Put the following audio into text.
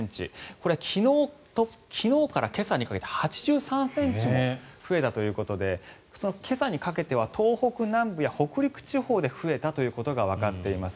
これは、昨日から今朝にかけて８３ｃｍも増えたということで今朝にかけては東北南部や北陸地方で増えたということがわかっています。